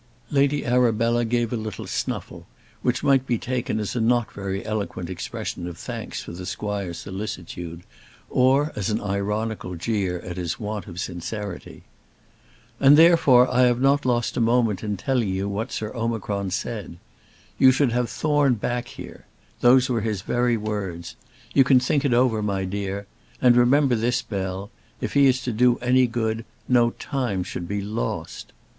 Lady Arabella gave a little snuffle, which might be taken as a not very eloquent expression of thanks for the squire's solicitude, or as an ironical jeer at his want of sincerity. "And, therefore, I have not lost a moment in telling you what Sir Omicron said. 'You should have Thorne back here;' those were his very words. You can think it over, my dear. And remember this, Bell; if he is to do any good no time should be lost."